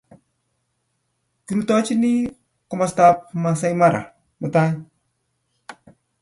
Kirutochini komastab Maasai Mara mutai.